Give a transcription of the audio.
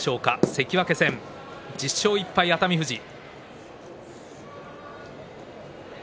関脇戦１０勝１敗、熱海富士。